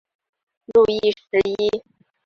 路易十一。